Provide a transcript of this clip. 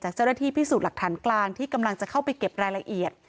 เจ้าหน้าที่พิสูจน์หลักฐานกลางที่กำลังจะเข้าไปเก็บรายละเอียด